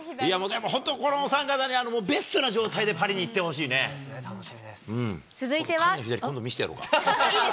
本当、このお三方には、ベストな状態でパリに行ってほし楽しみです。